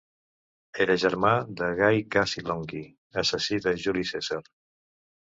Era germà de Gai Cassi Longí, assassí de Juli Cèsar.